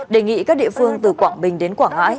đề nghị các địa phương từ quảng bình đến quảng ngãi